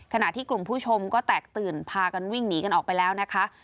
ขณะที่กลุ่มผู้ชมก็แตกตื่นพากันวิ่งหนีกันออกไปแล้วนะคะ